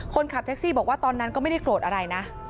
คนขับแท็กซี่บอกว่าตอนนั้นก็ไม่ได้โกรธอะไรนะ